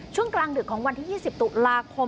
ช่วงกลางดึกของวันที่๒๐ตุลาคม